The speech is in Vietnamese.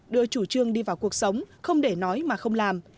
đưa chủ trương đi vào cuộc sống không để nói mà không làm